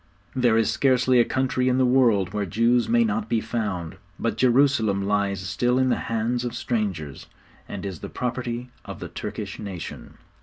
There is scarcely a country in the world where Jews may not be found, but Jerusalem lies still in the hands of strangers, and is the property of the Turkish nation.